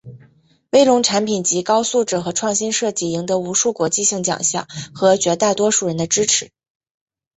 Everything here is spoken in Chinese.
威龙产品籍高质素和创新设计赢得无数国际性奖项和绝大多数人的支援。